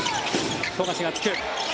富樫がつく。